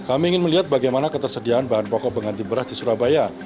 kami ingin melihat bagaimana ketersediaan bahan pokok pengganti beras di surabaya